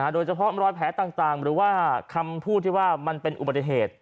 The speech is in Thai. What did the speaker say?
โดยเฉพาะรอยแผลต่างหรือว่าคำพูดที่ว่ามันเป็นอุบัติเหตุ